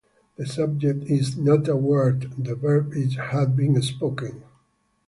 The subject is "Not a word," the verb is "had been spoken."